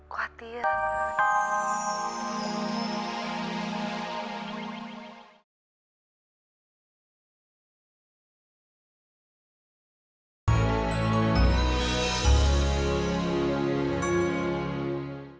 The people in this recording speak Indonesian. kamu gak usah khawatir